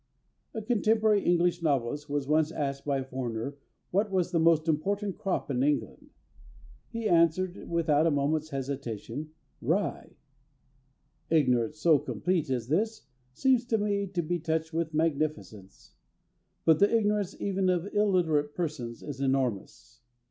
A contemporary English novelist was once asked by a foreigner what was the most important crop in England. He answered without a moment's hesitation: "Rye." Ignorance so complete as this seems to me to be touched with magnificence; but the ignorance even of illiterate persons is enormous.